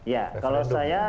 ya kalau saya